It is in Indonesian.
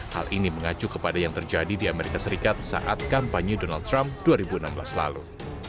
hal ini mengacu kepada yang terjadi di amerika serikat saat kampanye donald trump dua ribu enam belas lalu